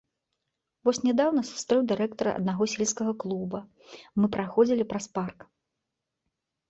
Вось нядаўна сустрэў дырэктара аднаго сельскага клуба, мы праходзілі праз парк.